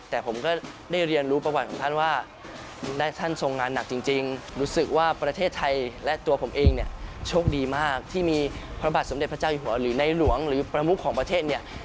แต่ผมก็ได้เรียนรู้ประวัติของท่านว่า